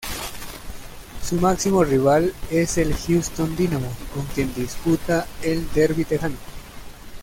Su máximo rival es el Houston Dynamo con quien disputa el derby tejano.